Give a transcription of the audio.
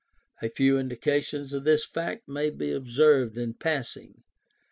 A few indications of this fact may be observed in passing.